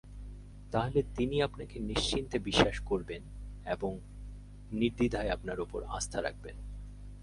তাহলে তিনি আপনাকে নিশ্চিন্তে বিশ্বাস করবেন এবং নির্দ্বিধায় আপনার ওপর আস্থা রাখবেন।